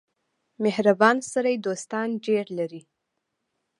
• مهربان سړی دوستان ډېر لري.